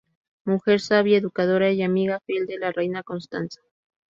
Mujer sabia, educadora y amiga fiel de la reina Constanza.